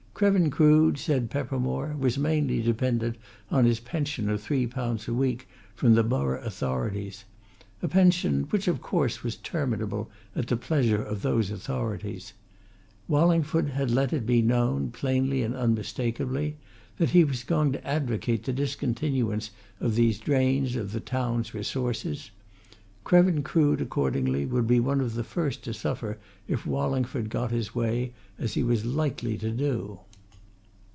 Krevin Crood, said Peppermore, was mainly dependent on his pension of three pounds a week from the borough authorities a pension which, of course, was terminable at the pleasure of those authorities; Wallingford had let it be known, plainly and unmistakably, that he was going to advocate the discontinuance of these drains on the town's resources: Krevin Crood, accordingly, would be one of the first to suffer if Wallingford got his way, as he was likely to do.